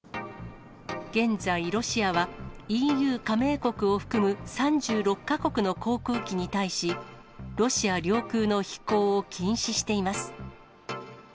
現在、ロシアはＥＵ加盟国を含む３６か国の航空機に対し、ロシア領空の飛行を禁止しています。